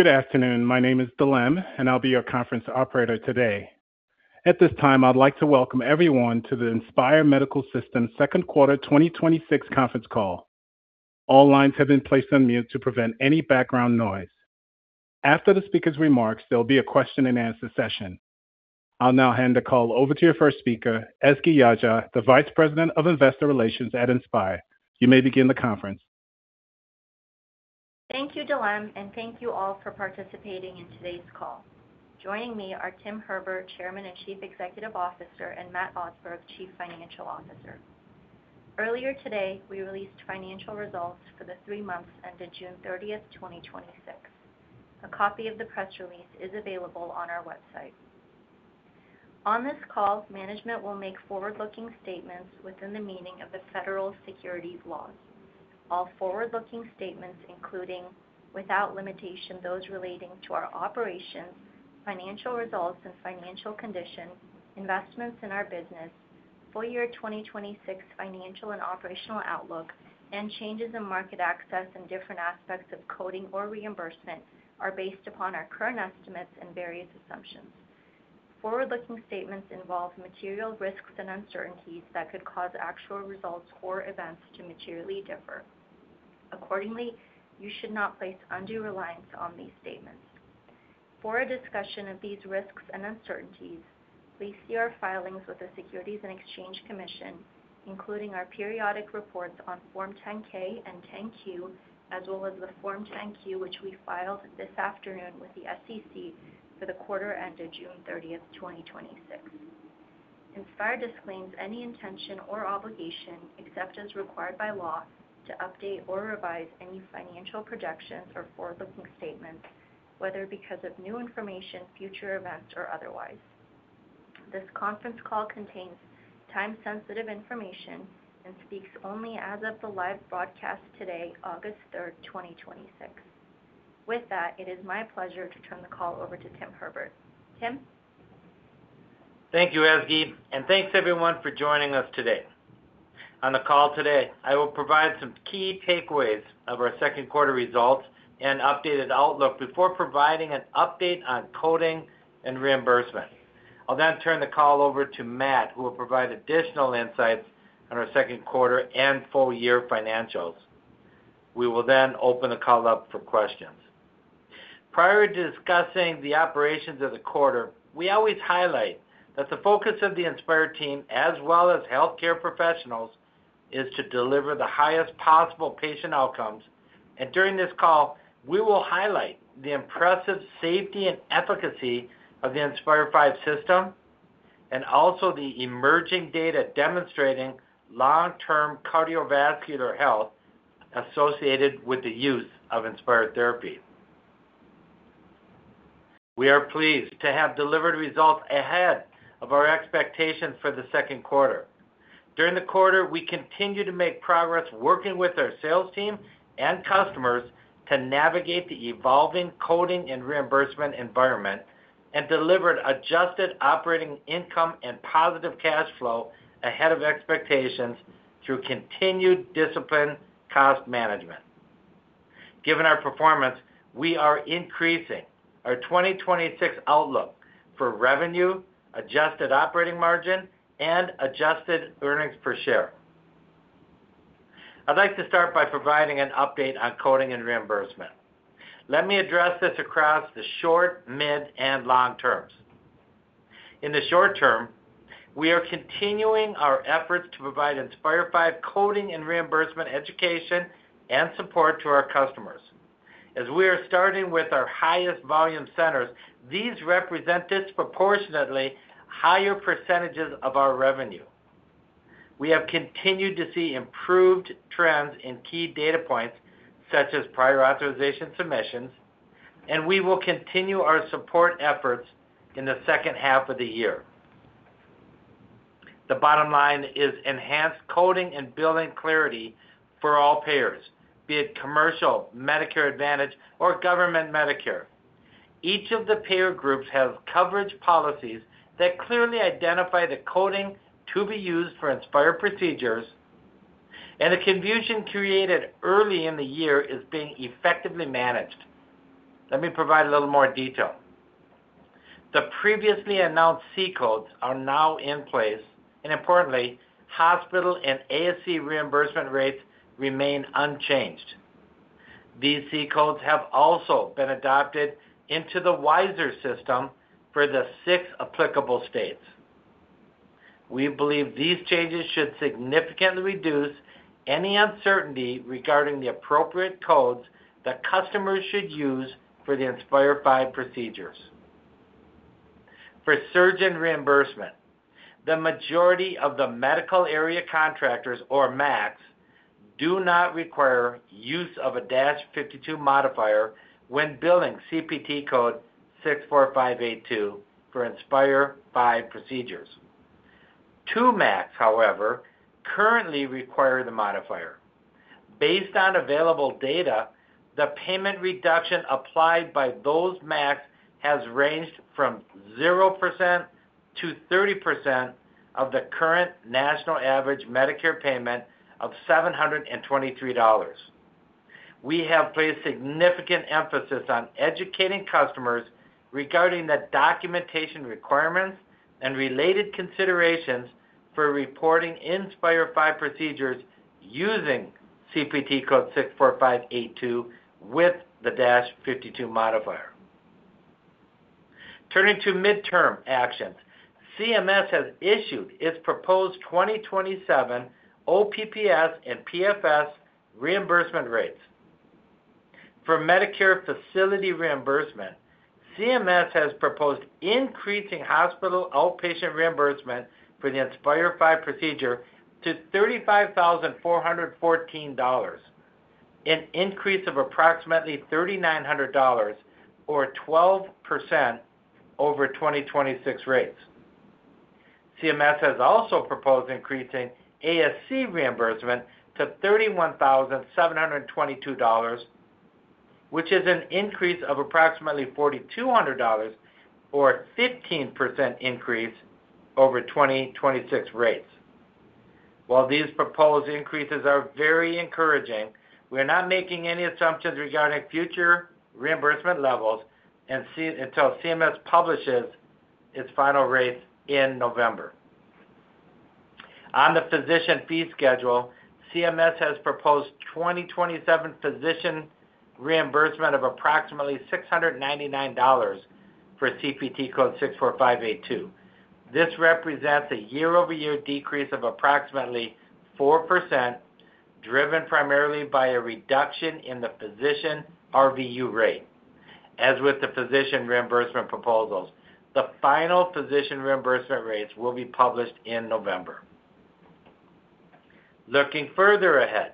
Good afternoon. My name is Dilem, and I'll be your conference operator today. At this time, I'd like to welcome everyone to the Inspire Medical Systems Q2 2026 Conference Call. All lines have been placed on mute to prevent any background noise. After the speaker's remarks, there'll be a question and answer session. I'll now hand the call over to your first speaker, Ezgi Yagci, the Vice President of Investor Relations at Inspire. You may begin the conference. Thank you, Dilem, and thank you all for participating in today's call. Joining me are Tim Herbert, Chairman and Chief Executive Officer, and Matt Osberg, Chief Financial Officer. Earlier today, we released financial results for the three months ended June 30th, 2026. A copy of the press release is available on our website. On this call, management will make forward-looking statements within the meaning of the federal securities laws. All forward-looking statements, including, without limitation, those relating to our operations, financial results and financial condition, investments in our business, full year 2026 financial and operational outlook, and changes in market access and different aspects of coding or reimbursement, are based upon our current estimates and various assumptions. Forward-looking statements involve material risks and uncertainties that could cause actual results or events to materially differ. Accordingly, you should not place undue reliance on these statements. For a discussion of these risks and uncertainties, please see our filings with the Securities and Exchange Commission, including our periodic reports on Form 10-K and 10-Q, as well as the Form 10-Q, which we filed this afternoon with the SEC for the quarter ended June 30th, 2026. Inspire disclaims any intention or obligation, except as required by law, to update or revise any financial projections or forward-looking statements, whether because of new information, future events, or otherwise. This conference call contains time-sensitive information and speaks only as of the live broadcast today, August 3rd, 2026. With that, it is my pleasure to turn the call over to Tim Herbert. Tim? Thank you, Ezgi, and thanks, everyone, for joining us today. On the call today, I will provide some key takeaways of our Q2 results and updated outlook before providing an update on coding and reimbursement. I'll then turn the call over to Matt, who will provide additional insights on our Q2 and full year financials. We will then open the call up for questions. Prior to discussing the operations of the quarter, we always highlight that the focus of the Inspire team, as well as healthcare professionals, is to deliver the highest possible patient outcomes. During this call, we will highlight the impressive safety and efficacy of the Inspire V system and also the emerging data demonstrating long-term cardiovascular health associated with the use of Inspire therapy. We are pleased to have delivered results ahead of our expectations for the Q2. During the quarter, we continued to make progress working with our sales team and customers to navigate the evolving coding and reimbursement environment and delivered adjusted operating income and positive cash flow ahead of expectations through continued disciplined cost management. Given our performance, we are increasing our 2026 outlook for revenue, adjusted operating margin, and adjusted earnings per share. I'd like to start by providing an update on coding and reimbursement. Let me address this across the short, mid, and long terms. In the short term, we are continuing our efforts to provide Inspire V coding and reimbursement education and support to our customers. As we are starting with our highest volume centers, these represent disproportionately higher percentages of our revenue. We have continued to see improved trends in key data points, such as prior authorization submissions. We will continue our support efforts in the second half of the year. The bottom line is enhanced coding and billing clarity for all payers, be it commercial, Medicare Advantage, or government Medicare. Each of the payer groups has coverage policies that clearly identify the coding to be used for Inspire procedures. The confusion created early in the year is being effectively managed. Let me provide a little more detail. The previously announced C-codes are now in place. Importantly, hospital and ASC reimbursement rates remain unchanged. These C-codes have also been adopted into the WISER system for the six applicable states. We believe these changes should significantly reduce any uncertainty regarding the appropriate codes that customers should use for the Inspire V procedures. For surgeon reimbursement, the majority of the medical area contractors, or MACs, do not require use of a dash 52 modifier when billing CPT code 64582 for Inspire V procedures. Two MACs, however, currently require the modifier. Based on available data, the payment reduction applied by those MACs has ranged from 0%-30% of the current national average Medicare payment of $723. We have placed significant emphasis on educating customers regarding the documentation requirements and related considerations for reporting Inspire V procedures using CPT code 64582 with the dash 52 modifier. Turning to midterm actions, CMS has issued its proposed 2027 OPPS and PFS reimbursement rates. For Medicare facility reimbursement, CMS has proposed increasing hospital outpatient reimbursement for the Inspire V procedure to $35,414, an increase of approximately $3,900, or 12% over 2026 rates. CMS has also proposed increasing ASC reimbursement to $31,722, which is an increase of approximately $4,200 or 15% increase over 2026 rates. While these proposed increases are very encouraging, we are not making any assumptions regarding future reimbursement levels until CMS publishes its final rates in November. On the physician fee schedule, CMS has proposed 2027 physician reimbursement of approximately $699 for CPT code 64582. This represents a year-over-year decrease of approximately 4%, driven primarily by a reduction in the physician RVU rate. As with the physician reimbursement proposals, the final physician reimbursement rates will be published in November. Looking further ahead,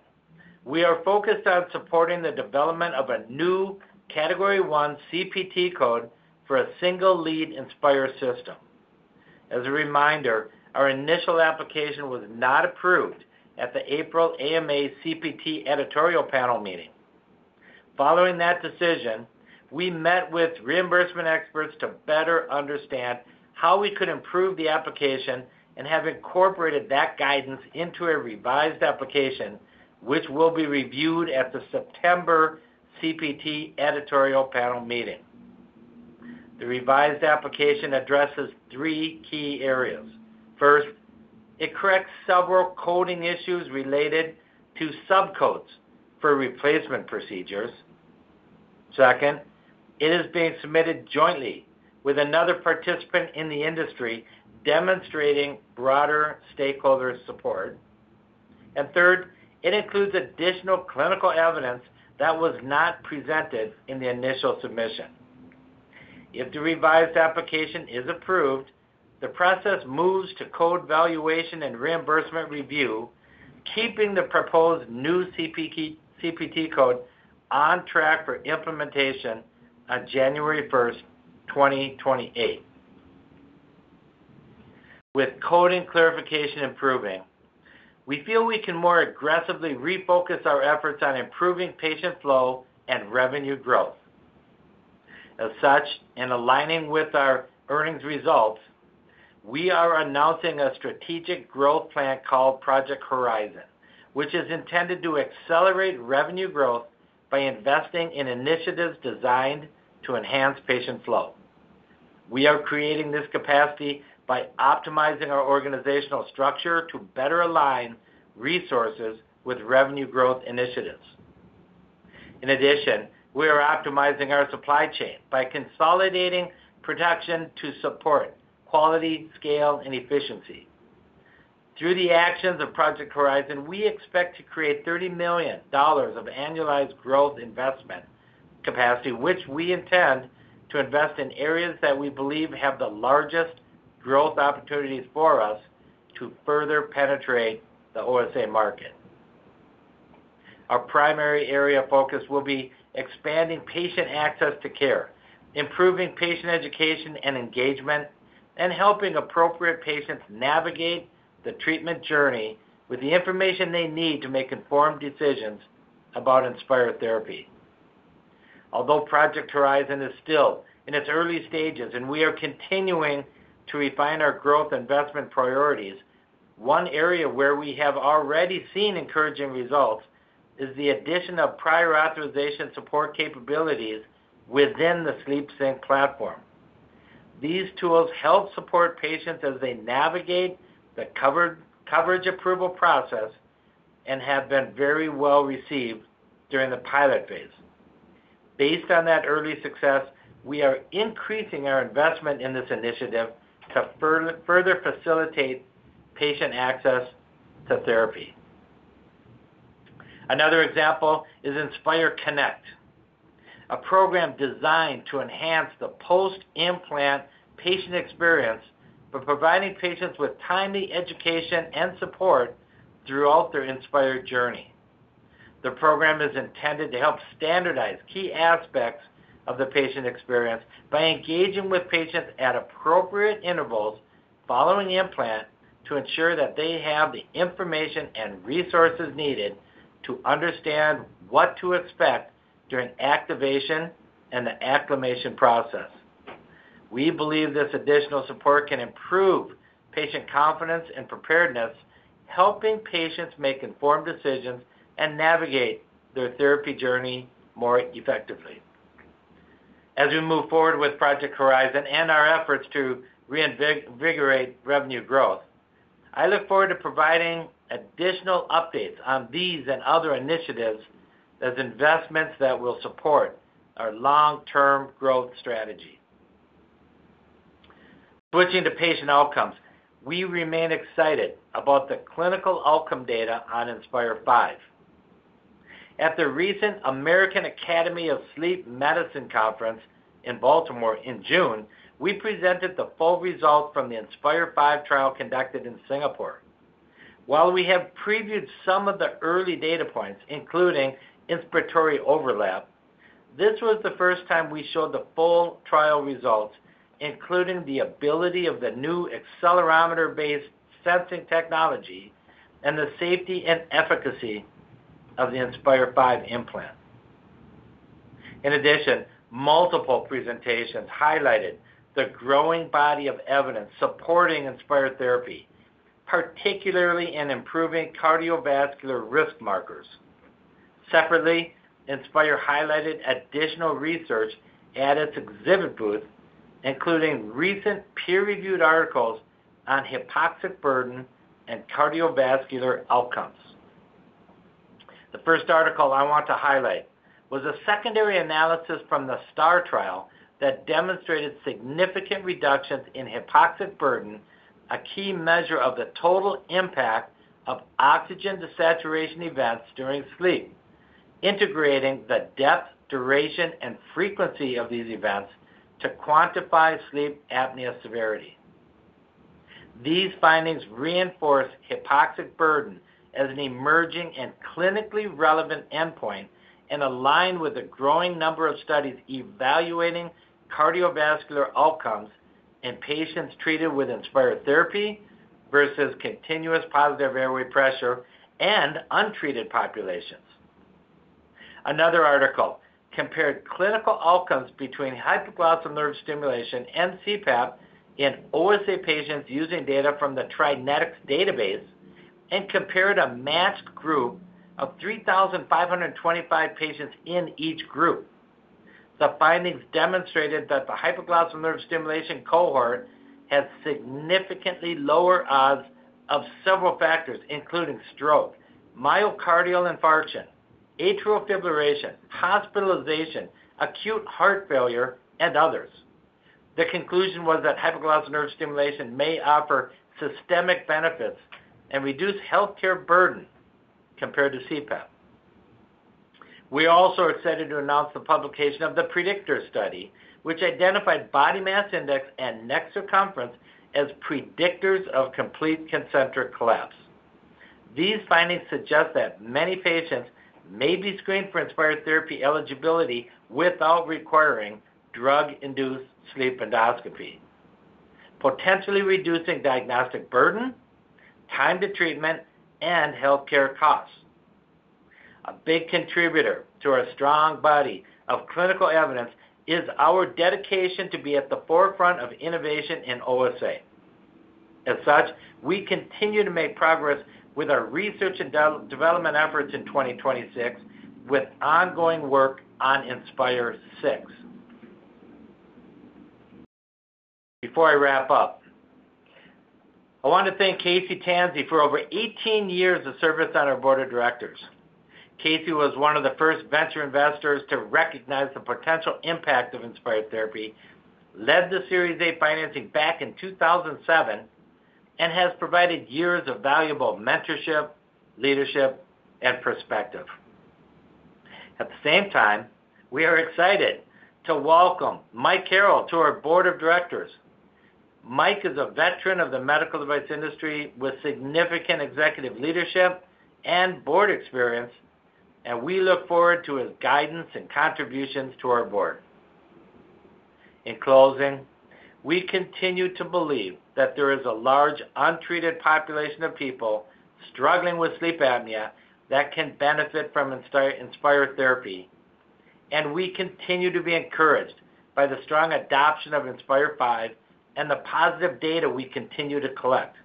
we are focused on supporting the development of a new category 1 CPT code for a single-lead Inspire system. As a reminder, our initial application was not approved at the April AMA CPT Editorial Panel meeting. Following that decision, we met with reimbursement experts to better understand how we could improve the application and have incorporated that guidance into a revised application, which will be reviewed at the September CPT Editorial Panel meeting. The revised application addresses three key areas. First, it corrects several coding issues related to subcodes for replacement procedures. Second, it is being submitted jointly with another participant in the industry, demonstrating broader stakeholder support. Third, it includes additional clinical evidence that was not presented in the initial submission. If the revised application is approved, the process moves to code valuation and reimbursement review, keeping the proposed new CPT code on track for implementation on January 1st, 2028. With coding clarification improving, we feel we can more aggressively refocus our efforts on improving patient flow and revenue growth. As such, and aligning with our earnings results, we are announcing a strategic growth plan called Project Horizon, which is intended to accelerate revenue growth by investing in initiatives designed to enhance patient flow. We are creating this capacity by optimizing our organizational structure to better align resources with revenue growth initiatives. In addition, we are optimizing our supply chain by consolidating production to support quality, scale, and efficiency. Through the actions of Project Horizon, we expect to create $30 million of annualized growth investment capacity, which we intend to invest in areas that we believe have the largest growth opportunities for us to further penetrate the OSA market. Our primary area of focus will be expanding patient access to care, improving patient education and engagement, and helping appropriate patients navigate the treatment journey with the information they need to make informed decisions about Inspire therapy. Although Project Horizon is still in its early stages and we are continuing to refine our growth investment priorities, one area where we have already seen encouraging results is the addition of prior authorization support capabilities within the SleepSync platform. These tools help support patients as they navigate the coverage approval process and have been very well received during the pilot phase. Based on that early success, we are increasing our investment in this initiative to further facilitate patient access to therapy. Another example is Inspire Connect, a program designed to enhance the post-implant patient experience by providing patients with timely education and support throughout their Inspire journey. The program is intended to help standardize key aspects of the patient experience by engaging with patients at appropriate intervals following implant to ensure that they have the information and resources needed to understand what to expect during activation and the acclimation process. We believe this additional support can improve patient confidence and preparedness, helping patients make informed decisions and navigate their therapy journey more effectively. As we move forward with Project Horizon and our efforts to reinvigorate revenue growth, I look forward to providing additional updates on these and other initiatives as investments that will support our long-term growth strategy. Switching to patient outcomes, we remain excited about the clinical outcome data on Inspire V. At the recent American Academy of Sleep Medicine conference in Baltimore in June, we presented the full results from the Inspire V trial conducted in Singapore. While we have previewed some of the early data points, including inspiratory overlap, this was the first time we showed the full trial results, including the ability of the new accelerometer-based sensing technology and the safety and efficacy of the Inspire V implant. In addition, multiple presentations highlighted the growing body of evidence supporting Inspire therapy, particularly in improving cardiovascular risk markers. Separately, Inspire highlighted additional research at its exhibit booth, including recent peer-reviewed articles on hypoxic burden and cardiovascular outcomes. The first article I want to highlight was a secondary analysis from the STAR trial that demonstrated significant reductions in hypoxic burden, a key measure of the total impact of oxygen desaturation events during sleep, integrating the depth, duration, and frequency of these events to quantify sleep apnea severity. These findings reinforce hypoxic burden as an emerging and clinically relevant endpoint and align with a growing number of studies evaluating cardiovascular outcomes in patients treated with Inspire therapy versus continuous positive airway pressure and untreated populations. Another article compared clinical outcomes between hypoglossal nerve stimulation and CPAP in OSA patients using data from the TriNetX database and compared a matched group of 3,525 patients in each group. The findings demonstrated that the hypoglossal nerve stimulation cohort had significantly lower odds of several factors, including stroke, myocardial infarction, atrial fibrillation, hospitalization, acute heart failure, and others. The conclusion was that hypoglossal nerve stimulation may offer systemic benefits and reduce healthcare burden compared to CPAP. We also are excited to announce the publication of the PREDICTOR study, which identified body mass index and neck circumference as predictors of complete concentric collapse. These findings suggest that many patients may be screened for Inspire therapy eligibility without requiring drug-induced sleep endoscopy, potentially reducing diagnostic burden, time to treatment, and healthcare costs. A big contributor to our strong body of clinical evidence is our dedication to be at the forefront of innovation in OSA. As such, we continue to make progress with our research and development efforts in 2026 with ongoing work on Inspire VI. Before I wrap up, I want to thank Casey Tansey for over 18 years of service on our board of directors. Casey was one of the first venture investors to recognize the potential impact of Inspire therapy, led the Series A financing back in 2007, and has provided years of valuable mentorship, leadership, and perspective. At the same time, we are excited to welcome Mike Carroll to our board of directors. Mike is a veteran of the medical device industry with significant executive leadership and board experience. We look forward to his guidance and contributions to our board. In closing, we continue to believe that there is a large untreated population of people struggling with sleep apnea that can benefit from Inspire therapy. We continue to be encouraged by the strong adoption of Inspire V and the positive data we continue to collect.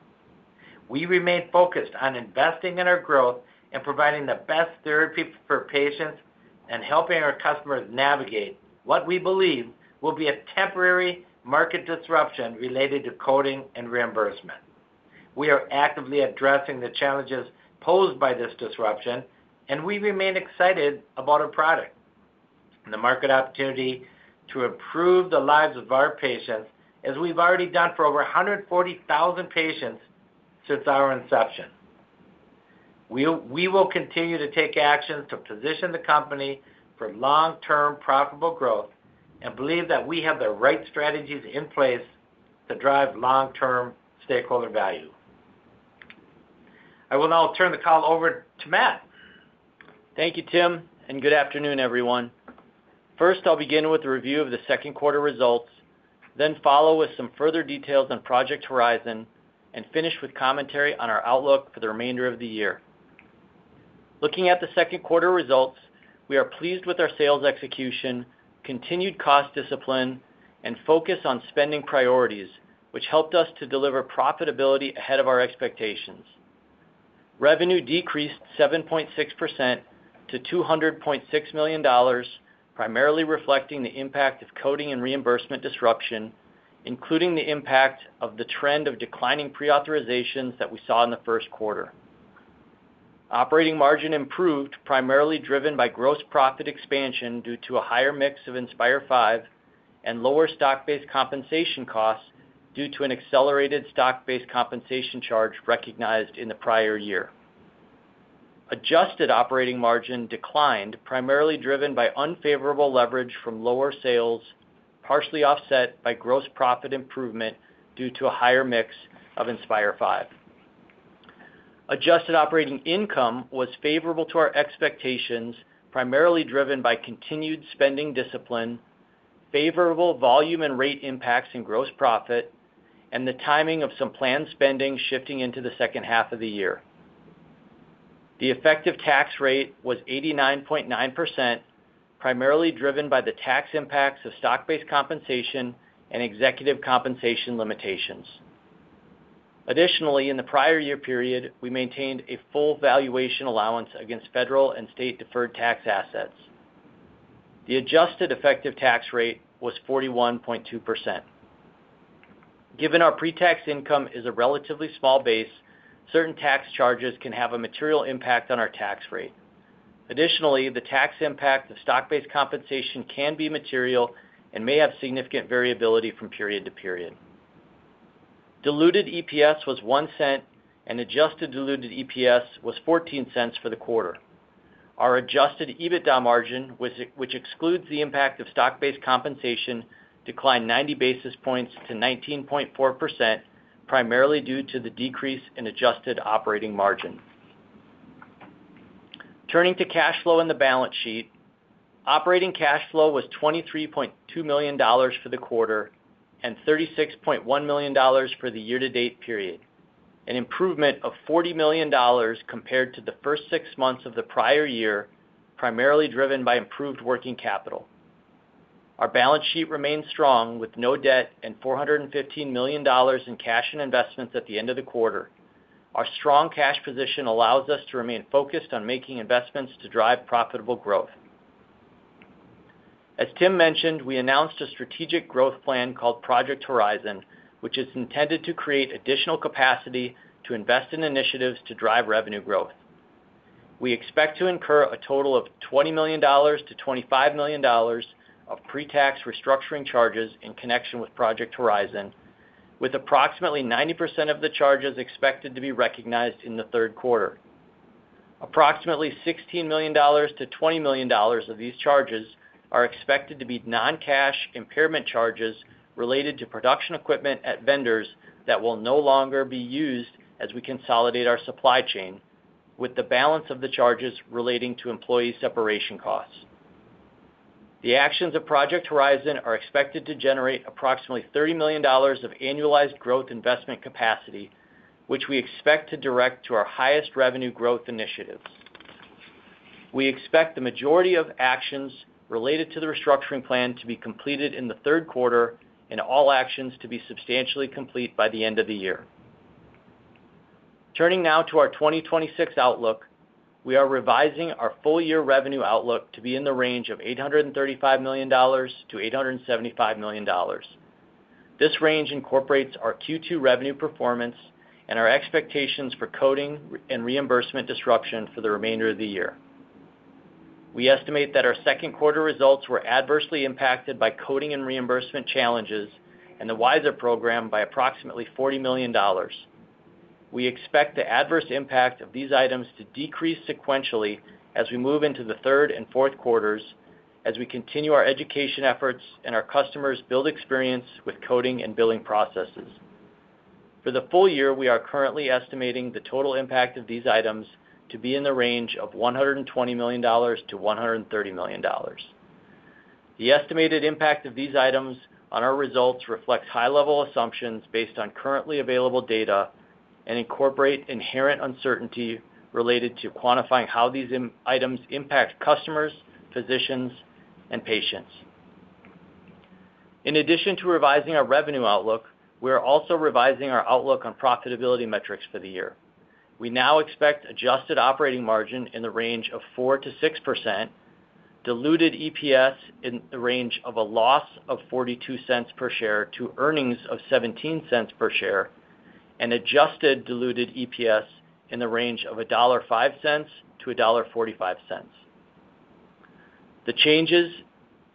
We remain focused on investing in our growth and providing the best therapy for patients and helping our customers navigate what we believe will be a temporary market disruption related to coding and reimbursement. We are actively addressing the challenges posed by this disruption. We remain excited about our product and the market opportunity to improve the lives of our patients as we've already done for over 140,000 patients since our inception. We will continue to take actions to position the company for long-term profitable growth and believe that we have the right strategies in place to drive long-term stakeholder value. I will now turn the call over to Matt. Thank you, Tim, and good afternoon, everyone. First, I'll begin with a review of the Q2 results, then follow with some further details on Project Horizon, and finish with commentary on our outlook for the remainder of the year. Looking at the Q2 results, we are pleased with our sales execution, continued cost discipline, and focus on spending priorities, which helped us to deliver profitability ahead of our expectations. Revenue decreased 7.6% to $200.6 million, primarily reflecting the impact of coding and reimbursement disruption, including the impact of the trend of declining pre-authorizations that we saw in the Q1. Operating margin improved, primarily driven by gross profit expansion due to a higher mix of Inspire V and lower stock-based compensation costs due to an accelerated stock-based compensation charge recognized in the prior year. Adjusted operating margin declined, primarily driven by unfavorable leverage from lower sales, partially offset by gross profit improvement due to a higher mix of Inspire V. Adjusted operating income was favorable to our expectations, primarily driven by continued spending discipline, favorable volume and rate impacts in gross profit, and the timing of some planned spending shifting into the second half of the year. The effective tax rate was 89.9%, primarily driven by the tax impacts of stock-based compensation and executive compensation limitations. Additionally, in the prior year period, we maintained a full valuation allowance against federal and state deferred tax assets. The adjusted effective tax rate was 41.2%. Given our pre-tax income is a relatively small base, certain tax charges can have a material impact on our tax rate. Additionally, the tax impact of stock-based compensation can be material and may have significant variability from period to period. Diluted EPS was $0.01, and adjusted diluted EPS was $0.14 for the quarter. Our adjusted EBITDA margin, which excludes the impact of stock-based compensation, declined 90 basis points to 19.4%, primarily due to the decrease in adjusted operating margin. Turning to cash flow and the balance sheet, operating cash flow was $23.2 million for the quarter and $36.1 million for the year-to-date period, an improvement of $40 million compared to the first six months of the prior year, primarily driven by improved working capital. Our balance sheet remains strong, with no debt and $415 million in cash and investments at the end of the quarter. Our strong cash position allows us to remain focused on making investments to drive profitable growth. As Tim mentioned, we announced a strategic growth plan called Project Horizon, which is intended to create additional capacity to invest in initiatives to drive revenue growth. We expect to incur a total of $20 million-$25 million of pre-tax restructuring charges in connection with Project Horizon, with approximately 90% of the charges expected to be recognized in the Q3. Approximately $16 million-$20 million of these charges are expected to be non-cash impairment charges related to production equipment at vendors that will no longer be used as we consolidate our supply chain, with the balance of the charges relating to employee separation costs. The actions of Project Horizon are expected to generate approximately $30 million of annualized growth investment capacity, which we expect to direct to our highest revenue growth initiatives. We expect the majority of actions related to the restructuring plan to be completed in the Q3 and all actions to be substantially complete by the end of the year. Turning now to our 2026 outlook, we are revising our full-year revenue outlook to be in the range of $835 million-$875 million. This range incorporates our Q2 revenue performance and our expectations for coding and reimbursement disruption for the remainder of the year. We estimate that our Q2 results were adversely impacted by coding and reimbursement challenges and the WISER program by approximately $40 million. We expect the adverse impact of these items to decrease sequentially as we move into the Q3 and Q4s as we continue our education efforts and our customers build experience with coding and billing processes. For the full year, we are currently estimating the total impact of these items to be in the range of $120 million-$130 million. The estimated impact of these items on our results reflects high-level assumptions based on currently available data and incorporate inherent uncertainty related to quantifying how these items impact customers, physicians, and patients. In addition to revising our revenue outlook, we are also revising our outlook on profitability metrics for the year. We now expect adjusted operating margin in the range of 4%-6%, diluted EPS in the range of a loss of $0.42 per share to earnings of $0.17 per share, and adjusted diluted EPS in the range of $1.05-$1.45. The changes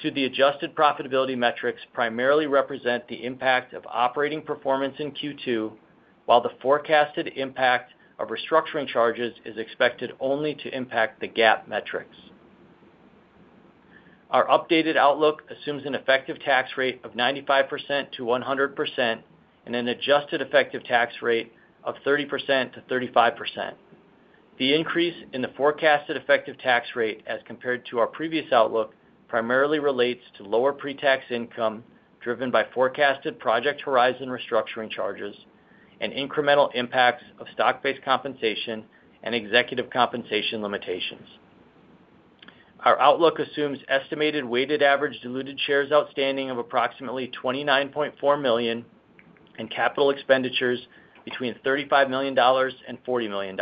to the adjusted profitability metrics primarily represent the impact of operating performance in Q2, while the forecasted impact of restructuring charges is expected only to impact the GAAP metrics. Our updated outlook assumes an effective tax rate of 95%-100% and an adjusted effective tax rate of 30%-35%. The increase in the forecasted effective tax rate as compared to our previous outlook primarily relates to lower pre-tax income driven by forecasted Project Horizon restructuring charges and incremental impacts of stock-based compensation and executive compensation limitations. Our outlook assumes estimated weighted average diluted shares outstanding of approximately 29.4 million and capital expenditures between $35 million and $40 million.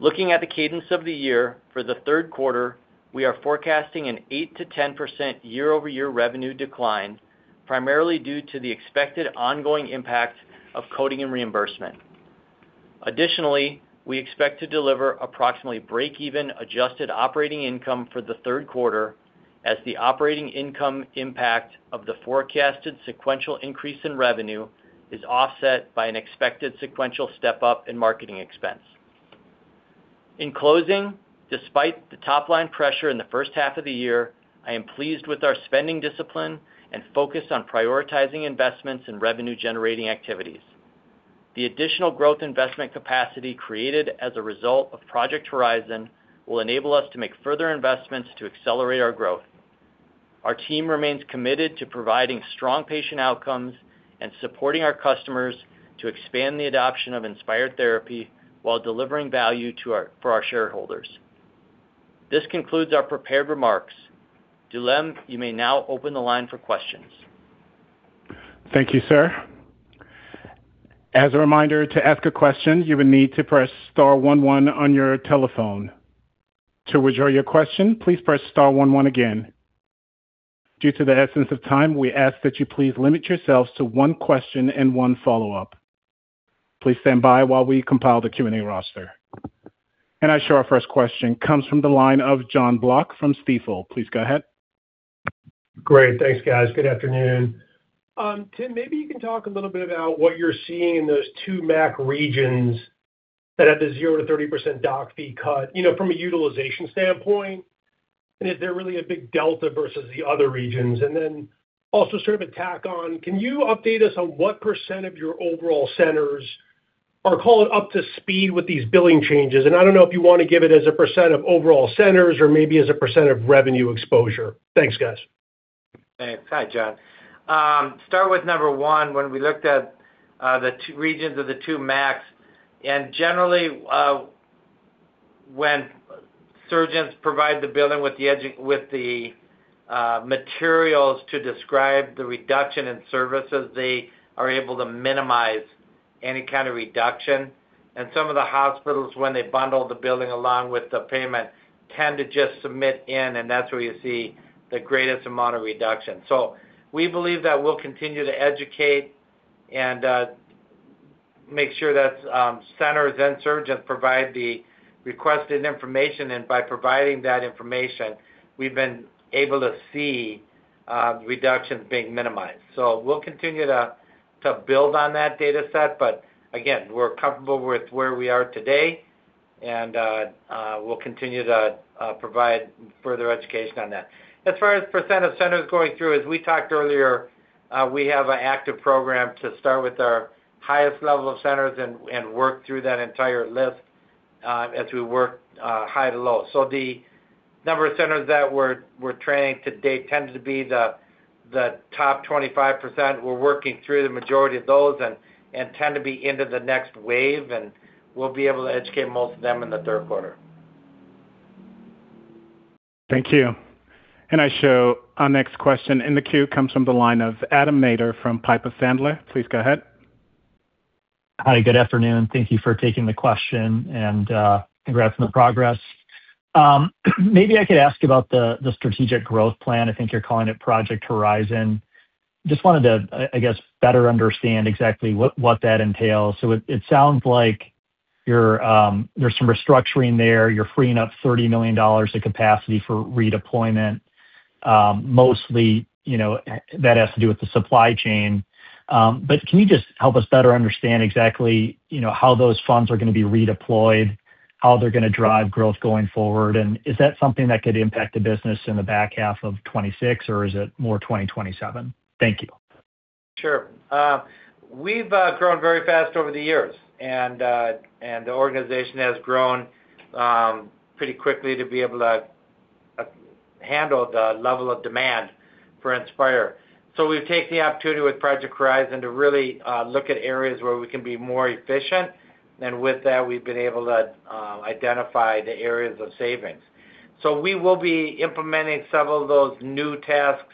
Looking at the cadence of the year for the Q3, we are forecasting an 8%-10% year-over-year revenue decline, primarily due to the expected ongoing impact of coding and reimbursement. Additionally, we expect to deliver approximately breakeven adjusted operating income for the Q3 as the operating income impact of the forecasted sequential increase in revenue is offset by an expected sequential step-up in marketing expense. In closing, despite the top-line pressure in the first half of the year, I am pleased with our spending discipline and focus on prioritizing investments in revenue-generating activities. The additional growth investment capacity created as a result of Project Horizon will enable us to make further investments to accelerate our growth. Our team remains committed to providing strong patient outcomes and supporting our customers to expand the adoption of Inspire therapy while delivering value for our shareholders. This concludes our prepared remarks. Dilem, you may now open the line for questions. Thank you, sir. As a reminder, to ask a question, you will need to press star one one on your telephone. To withdraw your question, please press star one one again. Due to the essence of time, we ask that you please limit yourselves to one question and one follow-up. Please stand by while we compile the Q&A roster. I show our first question comes from the line of Jonathan Block from Stifel. Please go ahead. Great. Thanks, guys. Good afternoon. Tim, maybe you can talk a little bit about what you're seeing in those two MAC regions that had the 0%-30% doc fee cut from a utilization standpoint. Is there really a big delta versus the other regions? Then also sort of a tack on, can you update us on what percent of your overall centers are called up to speed with these billing changes? I don't know if you want to give it as a percent of overall centers or maybe as a percent of revenue exposure. Thanks, guys. Thanks. Hi, John. Start with number one, when we looked at the regions of the two MACs, generally when surgeons provide the billing with the materials to describe the reduction in services, they are able to minimize any kind of reduction. Some of the hospitals, when they bundle the billing along with the payment, tend to just submit in, and that's where you see the greatest amount of reduction. We believe that we'll continue to educate and make sure that centers and surgeons provide the requested information. By providing that information, we've been able to see reductions being minimized. We'll continue to build on that data set, but again, we're comfortable with where we are today, and we'll continue to provide further education on that. As far as percent of centers going through, as we talked earlier, we have an active program to start with our highest level of centers and work through that entire list as we work high to low. The number of centers that we're training to date tend to be the top 25%. We're working through the majority of those and tend to be into the next wave, and we'll be able to educate most of them in the Q3. Thank you. I show our next question in the queue comes from the line of Adam Maeder from Piper Sandler. Please go ahead. Hi, good afternoon. Thank you for taking the question and congrats on the progress. Maybe I could ask about the strategic growth plan. I think you're calling it Project Horizon. Just wanted to, I guess, better understand exactly what that entails. It sounds like there's some restructuring there. You're freeing up $30 million of capacity for redeployment. Mostly, that has to do with the supply chain. Can you just help us better understand exactly how those funds are going to be redeployed, how they're going to drive growth going forward, and is that something that could impact the business in the back half of 2026, or is it more 2027? Thank you. Sure. We've grown very fast over the years, and the organization has grown pretty quickly to be able to handle the level of demand for Inspire. We've taken the opportunity with Project Horizon to really look at areas where we can be more efficient. With that, we've been able to identify the areas of savings. We will be implementing several of those new tasks.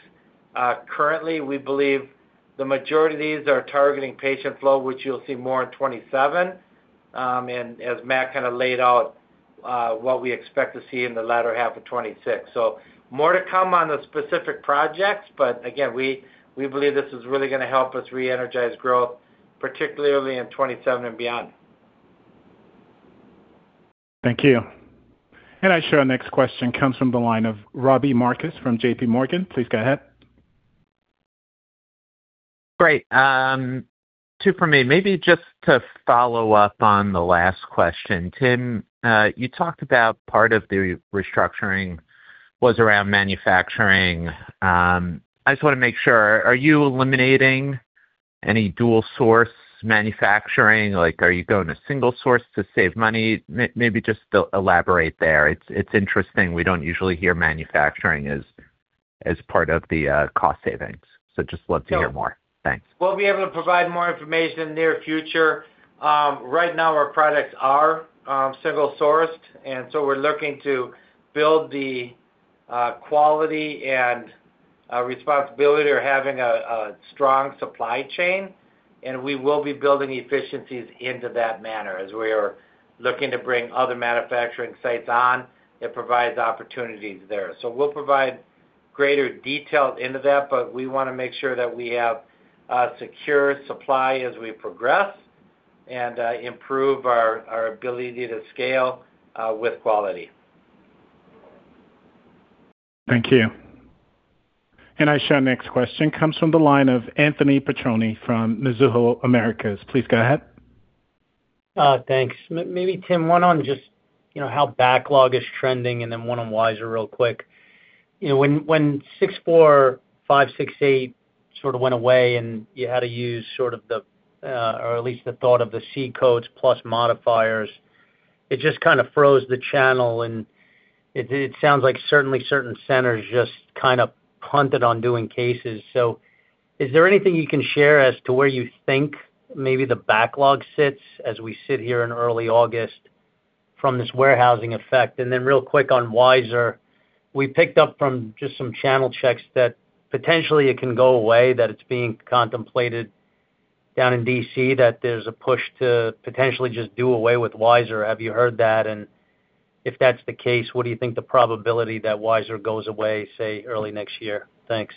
Currently, we believe the majority of these are targeting patient flow, which you'll see more in 2027. As Matt kind of laid out what we expect to see in the latter half of 2026. More to come on the specific projects, but again, we believe this is really going to help us reenergize growth, particularly in 2027 and beyond. Thank you. I show our next question comes from the line of Robbie Marcus from JPMorgan. Please go ahead. Great. Two for me. Maybe just to follow up on the last question. Tim, you talked about part of the restructuring was around manufacturing. I just want to make sure, are you eliminating any dual source manufacturing? Are you going to single source to save money? Maybe just elaborate there. It's interesting. We don't usually hear manufacturing as part of the cost savings. Just love to hear more. Thanks. We'll be able to provide more information in the near future. Right now, our products are single sourced, and so we're looking to build the quality and responsibility of having a strong supply chain, and we will be building the efficiencies into that manner as we are looking to bring other manufacturing sites on. It provides opportunities there. We'll provide greater detail into that, but we want to make sure that we have a secure supply as we progress and improve our ability to scale with quality. Thank you. Our next question comes from the line of Anthony Petrone from Mizuho Americas. Please go ahead. Thanks. Maybe Tim, one on just how backlog is trending, then one on WISER real quick. When 64568 sort of went away and you had to use sort of the, or at least the thought of the C-codes plus modifiers, it just kind of froze the channel, and it sounds like certainly certain centers just kind of punted on doing cases. Is there anything you can share as to where you think maybe the backlog sits as we sit here in early August from this warehousing effect? Real quick on WISER, we picked up from just some channel checks that potentially it can go away, that it's being contemplated down in D.C., that there's a push to potentially just do away with WISER. Have you heard that? If that's the case, what do you think the probability that WISER goes away, say, early next year? Thanks.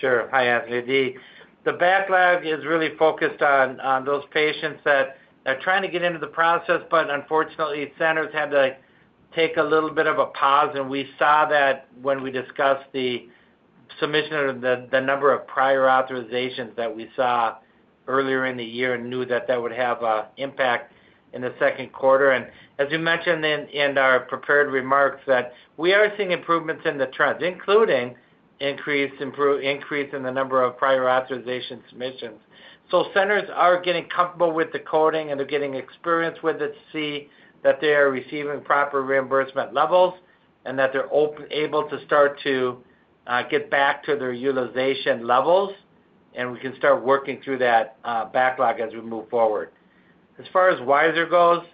Sure. Hi, Anthony. The backlog is really focused on those patients that are trying to get into the process, but unfortunately, centers had to take a little bit of a pause, and we saw that when we discussed the submission of the number of prior authorizations that we saw earlier in the year and knew that that would have impact in the Q2. As we mentioned in our prepared remarks, that we are seeing improvements in the trends, including increase in the number of prior authorization submissions. Centers are getting comfortable with the coding and they're getting experience with it to see that they are receiving proper reimbursement levels and that they're able to start to get back to their utilization levels, and we can start working through that backlog as we move forward. As far as WISER goes,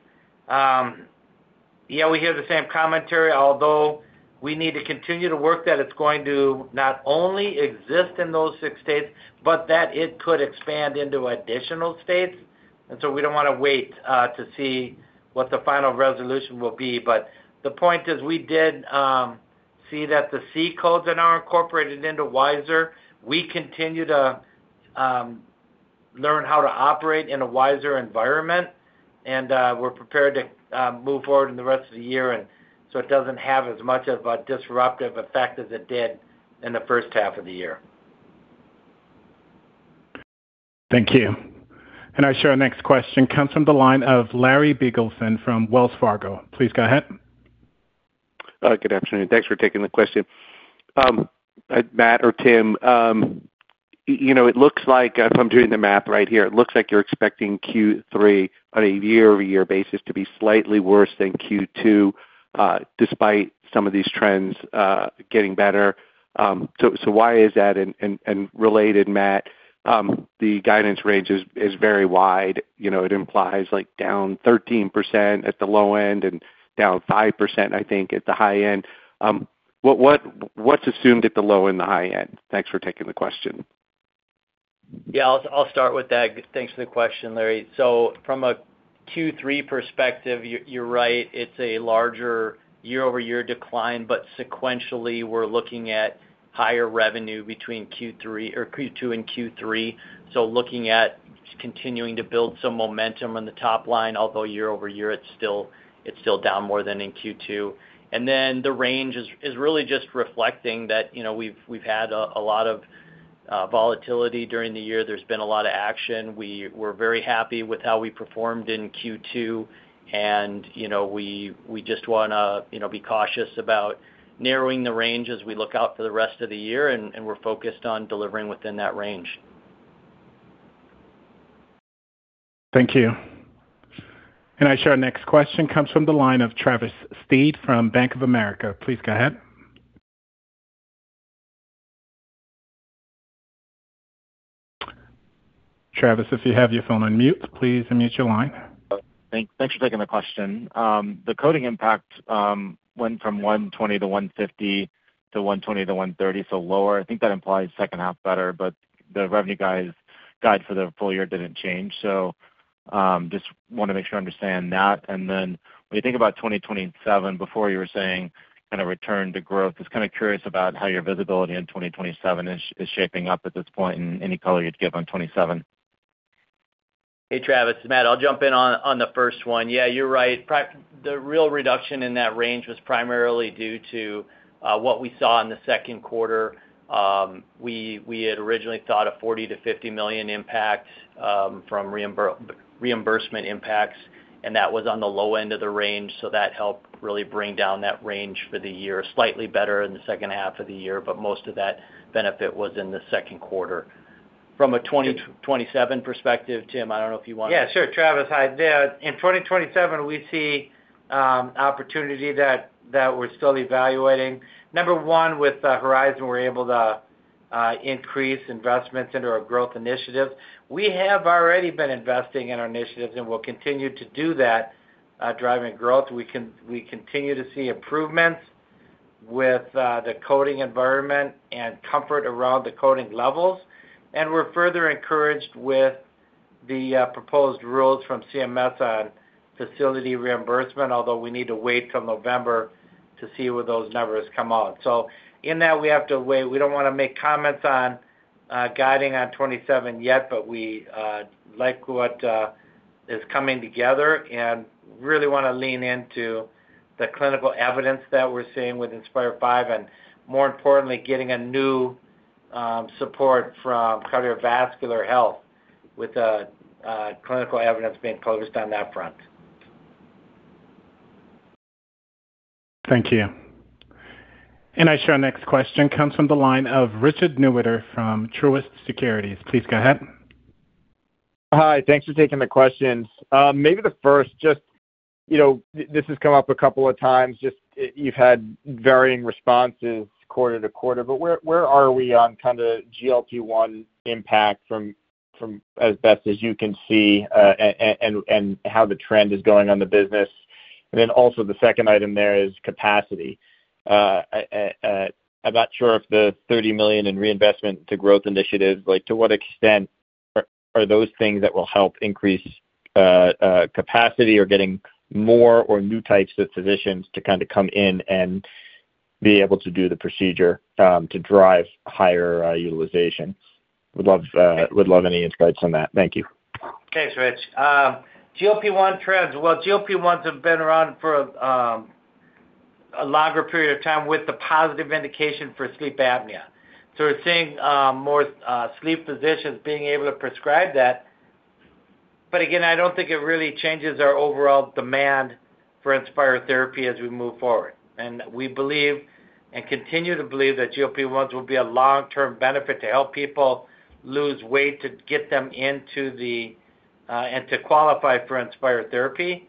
yeah, we hear the same commentary, although we need to continue to work that it's going to not only exist in those six states, but that it could expand into additional states. We don't want to wait to see what the final resolution will be. The point is, we did see that the C-codes that are incorporated into WISER, we continue to learn how to operate in a WISER environment, and we're prepared to move forward in the rest of the year so it doesn't have as much of a disruptive effect as it did in the first half of the year. Thank you. Our next question comes from the line of Larry Biegelsen from Wells Fargo. Please go ahead. Good afternoon. Thanks for taking the question. Matt or Tim, it looks like, if I'm doing the math right here, it looks like you're expecting Q3 on a year-over-year basis to be slightly worse than Q2 despite some of these trends getting better. Why is that? Related, Matt, the guidance range is very wide. It implies down 13% at the low end and down 5%, I think, at the high end. What's assumed at the low and the high end? Thanks for taking the question. Yeah, I'll start with that. Thanks for the question, Larry. From a Q3 perspective, you're right. It's a larger year-over-year decline, but sequentially, we're looking at higher revenue between Q2 and Q3. Looking at continuing to build some momentum on the top line, although year-over-year it's still down more than in Q2. The range is really just reflecting that we've had a lot of volatility during the year. There's been a lot of action. We're very happy with how we performed in Q2, and we just want to be cautious about narrowing the range as we look out for the rest of the year, and we're focused on delivering within that range. Thank you. Our next question comes from the line of Travis Steed from Bank of America. Please go ahead. Travis, if you have your phone on mute, please unmute your line. Thanks for taking the question. The coding impact went from $120-$150 to $120-$130, so lower. I think that implies second half better. The revenue guide for the full year didn't change. Just want to make sure I understand that. When you think about 2027, before you were saying kind of return to growth. Just kind of curious about how your visibility in 2027 is shaping up at this point and any color you'd give on 2027. Hey, Travis, it's Matt. I'll jump in on the first one. You're right. The real reduction in that range was primarily due to what we saw in the Q2. We had originally thought a $40 million-$50 million impact from reimbursement impacts. That was on the low end of the range, so that helped really bring down that range for the year, slightly better in the second half of the year. Most of that benefit was in the Q2. From a 2027 perspective, Tim, I don't know if you want to- Sure. Travis, hi. In 2027, we see opportunity that we're still evaluating. Number one, with Project Horizon, we're able to increase investments into our growth initiative. We have already been investing in our initiatives and will continue to do that, driving growth. We continue to see improvements with the coding environment and comfort around the coding levels. We're further encouraged with the proposed rules from CMS on facility reimbursement, although we need to wait till November to see where those numbers come out. In that, we have to wait. We don't want to make comments on guiding on 2027 yet. We like what is coming together and really want to lean into the clinical evidence that we're seeing with Inspire V and more importantly, getting a new support from cardiovascular health with clinical evidence being focused on that front. Thank you. Our next question comes from the line of Richard Newitter from Truist Securities. Please go ahead. Hi, thanks for taking the questions. Maybe the first, this has come up a couple of times, you've had varying responses quarter-to-quarter, where are we on kind of GLP-1 impact from as best as you can see, and how the trend is going on the business? The second item there is capacity. I'm not sure if the $30 million in reinvestment to growth initiatives, to what extent are those things that will help increase capacity or getting more or new types of physicians to kind of come in and be able to do the procedure to drive higher utilization? Would love any insights on that. Thank you. Thanks, Rich. GLP-1 trends. GLP-1s have been around for a longer period of time with the positive indication for sleep apnea. We're seeing more sleep physicians being able to prescribe that. I don't think it really changes our overall demand for Inspire therapy as we move forward. We believe and continue to believe that GLP-1s will be a long-term benefit to help people lose weight, to get them to qualify for Inspire therapy.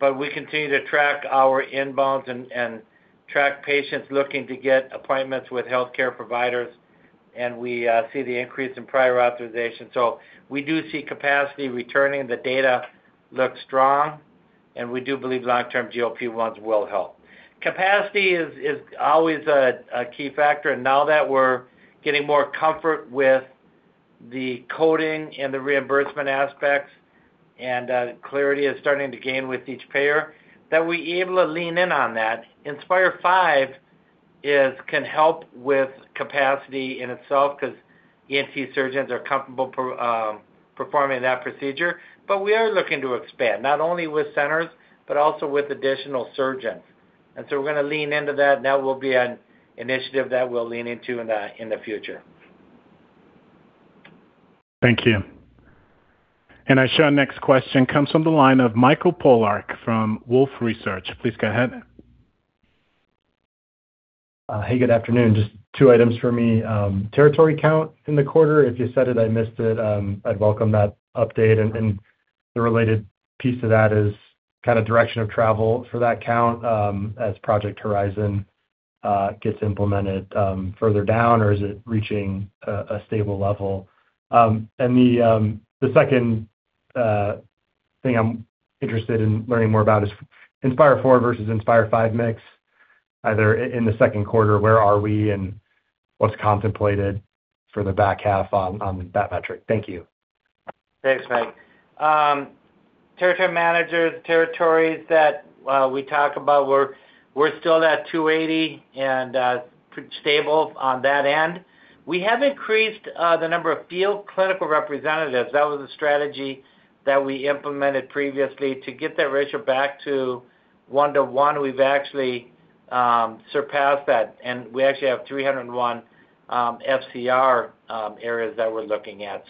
We continue to track our inbounds and track patients looking to get appointments with healthcare providers, and we see the increase in prior authorization. We do see capacity returning. The data looks strong, and we do believe long-term GLP-1s will help. Capacity is always a key factor, now that we're getting more comfort with the coding and the reimbursement aspects and clarity is starting to gain with each payer, that we're able to lean in on that. Inspire V can help with capacity in itself because ENT surgeons are comfortable performing that procedure. We are looking to expand, not only with centers, but also with additional surgeons. We're going to lean into that, and that will be an initiative that we'll lean into in the future. Thank you. Our next question comes from the line of Michael Polark from Wolfe Research. Please go ahead. Hey, good afternoon. Just two items for me. Territory count in the quarter. If you said it, I missed it. I'd welcome that update. The related piece to that is kind of direction of travel for that count as Project Horizon gets implemented further down, or is it reaching a stable level? The second thing I'm interested in learning more about is Inspire IV versus Inspire V mix, either in the Q2, where are we and what's contemplated for the back half on that metric? Thank you. Thanks, Mike. Territory managers, territories that we talk about, we're still at 280 and stable on that end. We have increased the number of field clinical representatives. That was a strategy that we implemented previously to get that ratio back to one to one. We've actually surpassed that, and we actually have 301 FCR areas that we're looking at.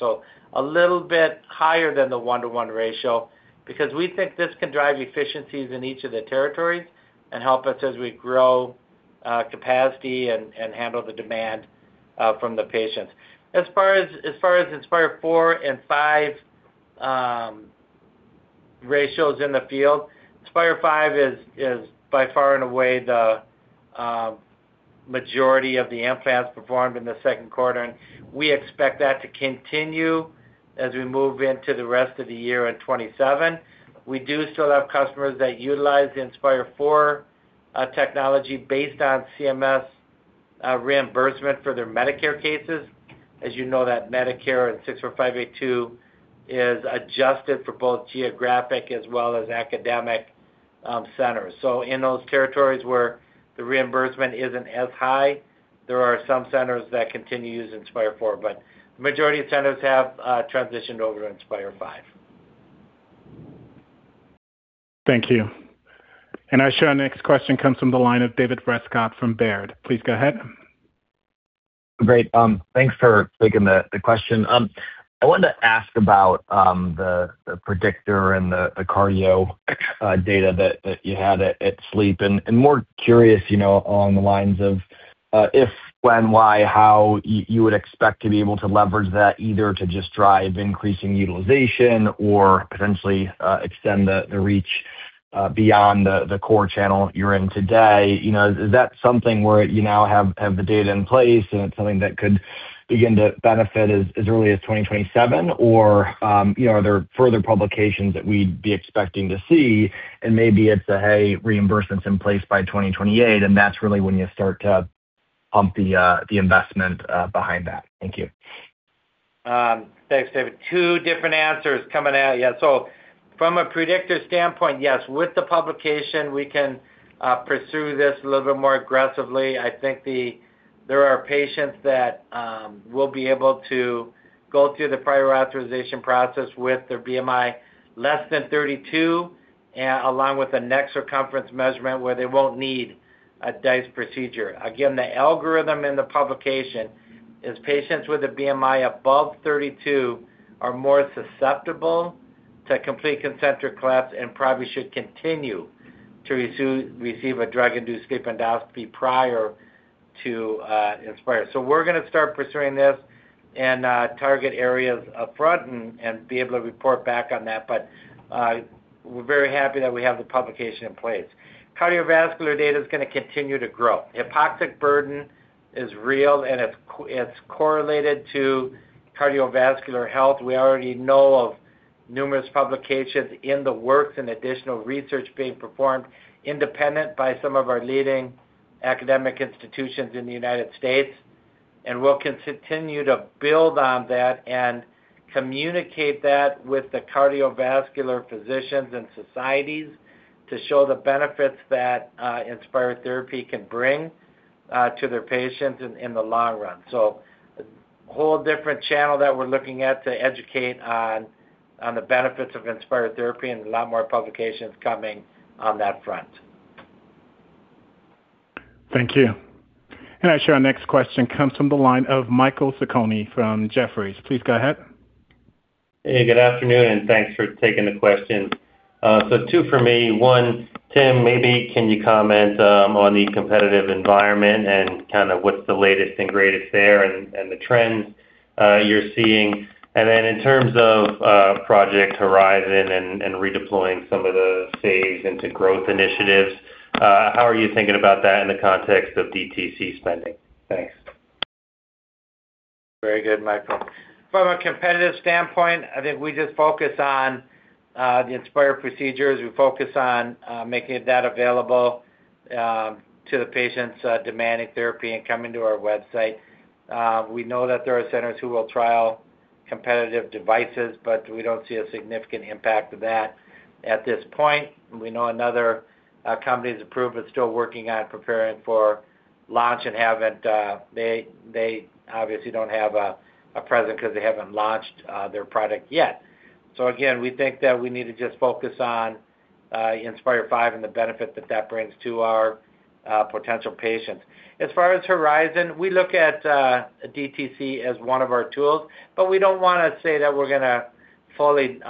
A little bit higher than the one to one ratio because we think this can drive efficiencies in each of the territories and help us as we grow capacity and handle the demand from the patients. As far as Inspire IV and V ratios in the field, Inspire V is by far and away the majority of the implants performed in the Q2, and we expect that to continue as we move into the rest of the year in 2027. We do still have customers that utilize the Inspire IV technology based on CMS reimbursement for their Medicare cases. As you know that Medicare in 64582 is adjusted for both geographic as well as academic centers. In those territories where the reimbursement isn't as high, there are some centers that continue to use Inspire IV, but the majority of centers have transitioned over to Inspire V. Thank you. I show our next question comes from the line of David Rescott from Baird. Please go ahead. Great. Thanks for taking the question. I wanted to ask about the predictor and the cardio data that you had at SleepSync, and more curious along the lines of if, when, why, how you would expect to be able to leverage that either to just drive increasing utilization or potentially extend the reach beyond the core channel you're in today. Is that something where you now have the data in place, and it's something that could begin to benefit as early as 2027? Or are there further publications that we'd be expecting to see and maybe it's a, hey, reimbursement's in place by 2028, and that's really when you start to pump the investment behind that? Thank you. Thanks, David. Two different answers coming at you. From a predictor standpoint, yes, with the publication, we can pursue this a little bit more aggressively. I think there are patients that will be able to go through the prior authorization process with their BMI less than 32, along with the neck circumference measurement where they won't need a DISE procedure. Again, the algorithm in the publication is patients with a BMI above 32 are more susceptible to complete concentric collapse and probably should continue to receive a drug-induced endoscopy prior to Inspire. We're going to start pursuing this and target areas up front and be able to report back on that. We're very happy that we have the publication in place. Cardiovascular data is going to continue to grow. Hypoxic burden is real, and it's correlated to cardiovascular health. We already know of numerous publications in the works and additional research being performed independent by some of our leading academic institutions in the United States. We'll continue to build on that and communicate that with the cardiovascular physicians and societies to show the benefits that Inspire therapy can bring to their patients in the long run. A whole different channel that we're looking at to educate on the benefits of Inspire therapy and a lot more publications coming on that front. Thank you. I show our next question comes from the line of Michael Sarcone from Jefferies. Please go ahead. Hey, good afternoon, and thanks for taking the question. Two for me. One, Tim, maybe can you comment on the competitive environment and kind of what's the latest and greatest there and the trends you're seeing? In terms of Project Horizon and redeploying some of the saves into growth initiatives, how are you thinking about that in the context of DTC spending? Thanks. Very good, Michael. From a competitive standpoint, I think we just focus on the Inspire procedures. We focus on making that available to the patients demanding therapy and coming to our website. We know that there are centers who will trial competitive devices, but we don't see a significant impact of that at this point. We know another company that's approved but still working on preparing for launch and they obviously don't have a presence because they haven't launched their product yet. Again, we think that we need to just focus on Inspire V and the benefit that that brings to our potential patients. As far as Horizon, we look at DTC as one of our tools, but we don't want to say that we're going to fully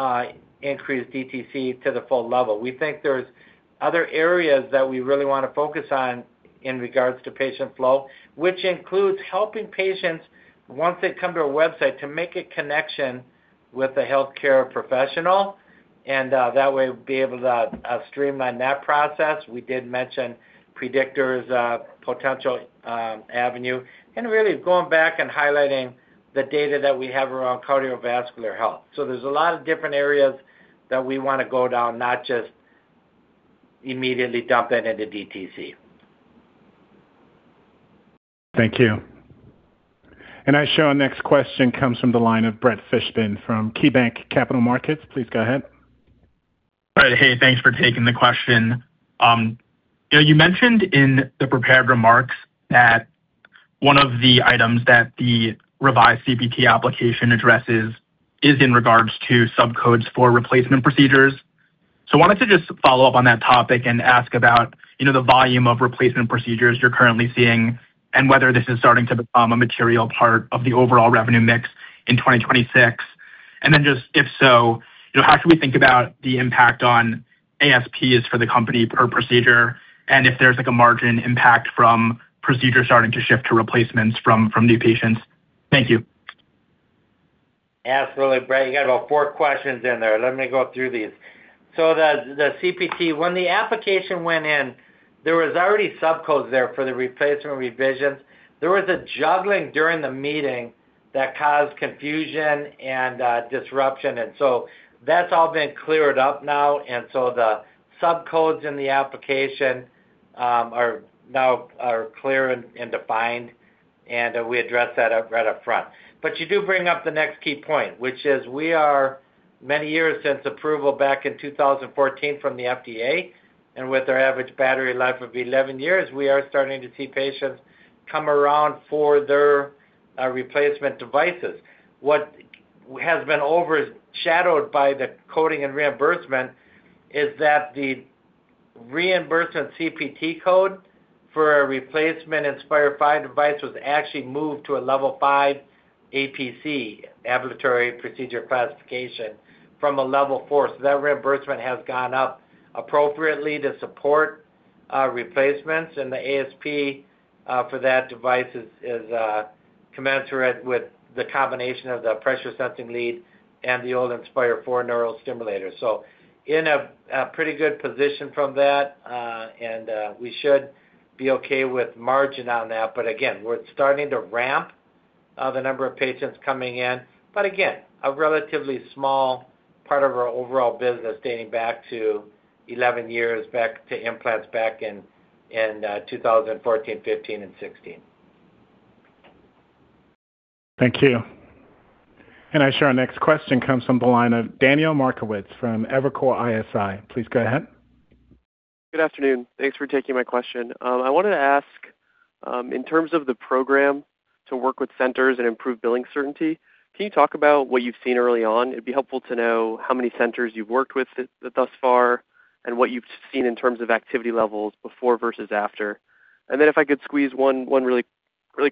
increase DTC to the full level. We think there's other areas that we really want to focus on in regards to patient flow, which includes helping patients once they come to our website to make a connection with a healthcare professional, and that way we'll be able to streamline that process. We did mention PREDICTOR study, potential avenue, and really going back and highlighting the data that we have around cardiovascular health. There's a lot of different areas that we want to go down, not just immediately dump that into DTC. Thank you. I show our next question comes from the line of Brett Fishbin from KeyBanc Capital Markets. Please go ahead. Thanks for taking the question. You mentioned in the prepared remarks that one of the items that the revised CPT application addresses is in regards to subcodes for replacement procedures. I wanted to just follow up on that topic and ask about the volume of replacement procedures you're currently seeing and whether this is starting to become a material part of the overall revenue mix in 2026. Just if so, how should we think about the impact on ASPs for the company per procedure and if there's like a margin impact from procedures starting to shift to replacements from new patients? Thank you. Absolutely, Brett. You got about four questions in there. Let me go through these. The CPT, when the application went in, there was already subcodes there for the replacement revisions. There was a juggling during the meeting that caused confusion and disruption, that's all been cleared up now. The subcodes in the application are now clear and defined, and we address that right up front. You do bring up the next key point, which is we are many years since approval back in 2014 from the FDA. With our average battery life of 11 years, we are starting to see patients come around for their replacement devices. What has been overshadowed by the coding and reimbursement is that the reimbursement CPT code for a replacement Inspire V device was actually moved to a Level 5 APC, ambulatory procedure classification, from a Level 4. That reimbursement has gone up appropriately to support replacements, and the ASP for that device is commensurate with the combination of the pressure sensing lead and the old Inspire IV neural stimulator. In a pretty good position from that. We should be okay with margin on that. Again, we're starting to ramp the number of patients coming in. Again, a relatively small part of our overall business dating back to 11 years back to implants back in 2014, 2015, and 2016. Thank you. I show our next question comes from the line of Daniel Markowitz from Evercore ISI. Please go ahead. Good afternoon. Thanks for taking my question. I wanted to ask, in terms of the program to work with centers and improve billing certainty, can you talk about what you've seen early on? It'd be helpful to know how many centers you've worked with thus far and what you've seen in terms of activity levels before versus after. If I could squeeze one really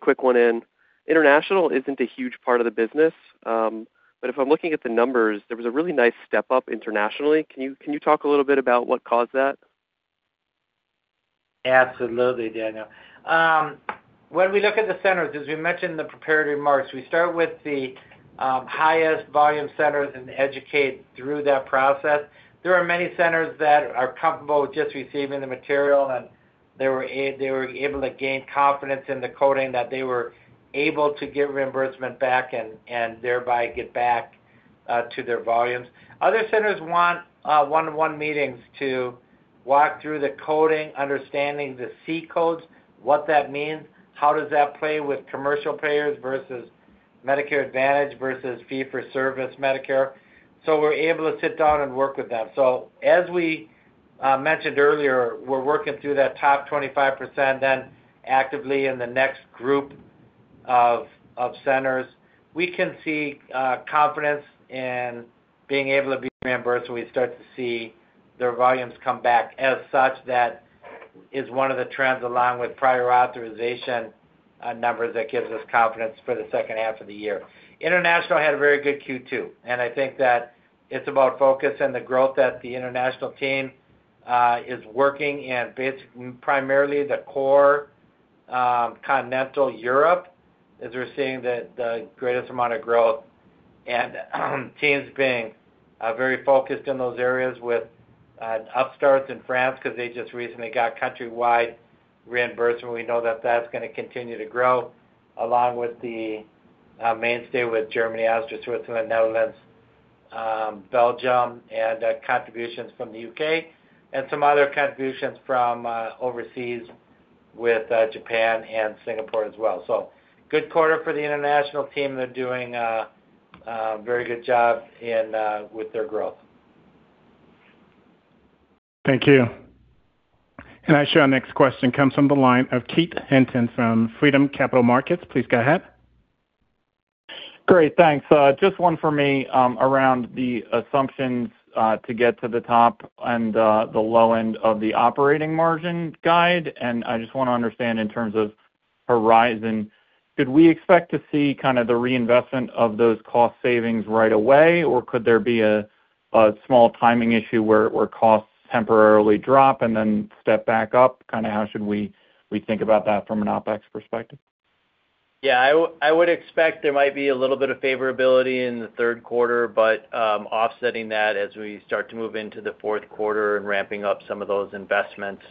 quick one in. International isn't a huge part of the business, but if I'm looking at the numbers, there was a really nice step up internationally. Can you talk a little bit about what caused that? Absolutely, Daniel. When we look at the centers, as we mentioned in the prepared remarks, we start with the highest volume centers and educate through that process. There are many centers that are comfortable with just receiving the material, and they were able to gain confidence in the coding that they were able to get reimbursement back and thereby get back to their volumes. Other centers want one-on-one meetings to walk through the coding, understanding the C-codes, what that means, how does that play with commercial payers versus Medicare Advantage versus fee-for-service Medicare. We're able to sit down and work with them. As we mentioned earlier, we're working through that top 25%, then actively in the next group of centers. We can see confidence in being able to be reimbursed, so we start to see their volumes come back as such. That is one of the trends, along with prior authorization numbers, that gives us confidence for the second half of the year. International had a very good Q2, and I think that it's about focus and the growth that the international team is working in primarily the core continental Europe, as we're seeing the greatest amount of growth. Teams being very focused in those areas with upstarts in France because they just recently got countrywide reimbursement. We know that that's going to continue to grow along with the mainstay with Germany, Austria, Switzerland, Netherlands, Belgium, and contributions from the U.K., and some other contributions from overseas with Japan and Singapore as well. Good quarter for the international team. They're doing a very good job with their growth. Thank you. I show our next question comes from the line of Keith Hinton from Freedom Capital Markets. Please go ahead. Great. Thanks. Just one for me around the assumptions to get to the top and the low end of the operating margin guide. I just want to understand in terms of Project Horizon. Could we expect to see kind of the reinvestment of those cost savings right away, or could there be a small timing issue where costs temporarily drop and then step back up, kind of how should we think about that from an OpEx perspective? Yeah, I would expect there might be a little bit of favorability in the Q3, offsetting that as we start to move into the Q4 and ramping up some of those investments.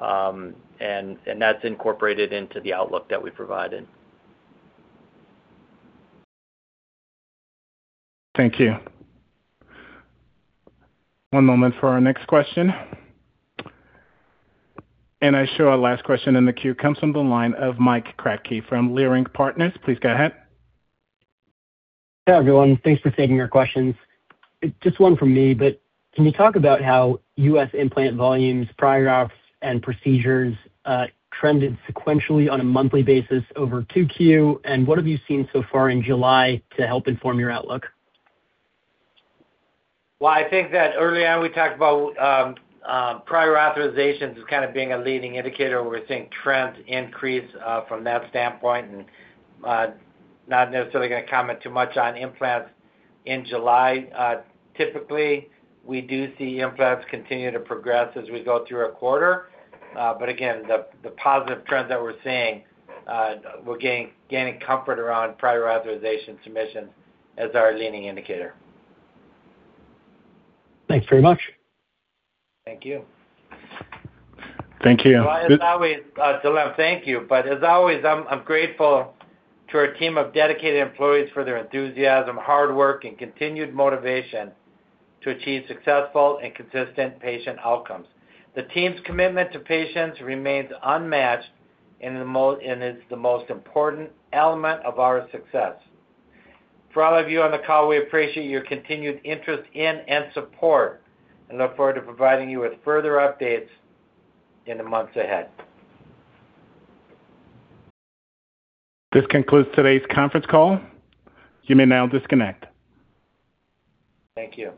That's incorporated into the outlook that we provided. Thank you. One moment for our next question. I show our last question in the queue comes from the line of Mike Kratky from Leerink Partners. Please go ahead. Yeah, everyone. Thanks for taking our questions. Just one from me. Can you talk about how U.S. implant volumes, prior auths, and procedures trended sequentially on a monthly basis over Q2, and what have you seen so far in July to help inform your outlook? I think that early on we talked about prior authorizations as kind of being a leading indicator. We're seeing trends increase from that standpoint. Not necessarily going to comment too much on implants in July. Typically, we do see implants continue to progress as we go through a quarter. Again, the positive trends that we're seeing, we're gaining comfort around prior authorization submissions as our leading indicator. Thanks very much. Thank you. Thank you. Thank you. As always, I'm grateful to our team of dedicated employees for their enthusiasm, hard work, and continued motivation to achieve successful and consistent patient outcomes. The team's commitment to patients remains unmatched and is the most important element of our success. For all of you on the call, we appreciate your continued interest in and support and look forward to providing you with further updates in the months ahead. This concludes today's conference call. You may now disconnect. Thank you.